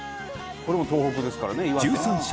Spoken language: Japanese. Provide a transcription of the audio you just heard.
これも東北ですからね岩手。